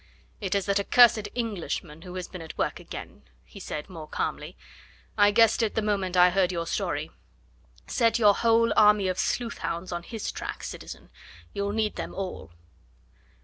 "It is that accursed Englishman who has been at work again," he said more calmly; "I guessed it the moment I heard your story. Set your whole army of sleuth hounds on his track, citizen; you'll need them all."